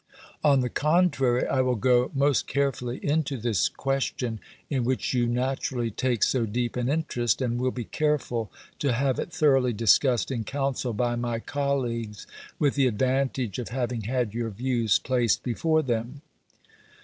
On the contrary, I will go most carefully into this question in which you naturally take so deep an interest, and will be careful to have it thoroughly discussed in Council by my colleagues with the advantage of having had your views placed before them."